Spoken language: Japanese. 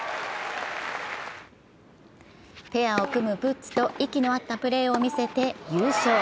ペアを組むプッツと息の合ったプレーを見せて優勝。